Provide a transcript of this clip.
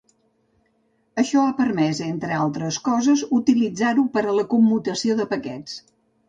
Això ha permès, entre altres coses, utilitzar-ho per la commutació de paquets.